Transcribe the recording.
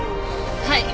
はい。